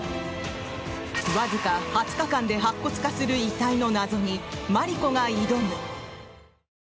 わずか２０日間で白骨化する遺体の謎にマリコが挑む！